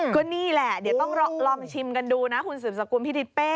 ก็นี่แหละเดี๋ยวต้องลองชิมกันดูนะคุณสืบสกุลพี่ทิศเป้